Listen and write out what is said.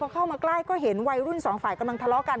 เข้ามาใกล้ก็เห็นวัยรุ่นสองฝ่ายกำลังทะเลาะกัน